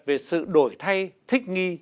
về sự đổi thay thích nghi